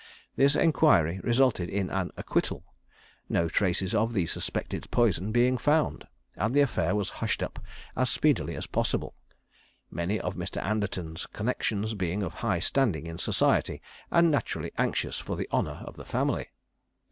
This enquiry resulted in an acquittal, no traces of the suspected poison being found; and the affair was hushed up as speedily as possible, many of Mr. Anderton's connections being of high standing in society, and naturally anxious for the honour of the family.